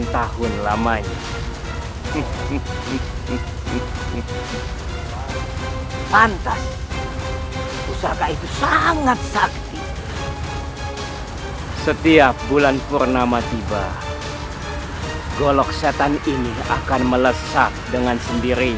kau mempunyai senjata yang sangat mematikan